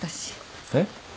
えっ？